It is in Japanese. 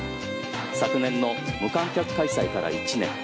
昨年の無観客開催から１年。